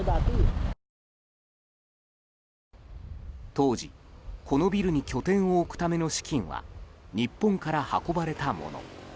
当時、このビルに拠点を置くための資金は日本から運ばれたもの。